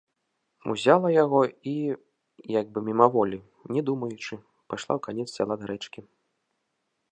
Узяла яго і, як бы мімаволі, не думаючы, пайшла ў канец сяла да рэчкі.